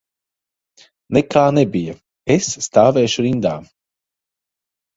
Nekā nebija, es stāvēšu rindā.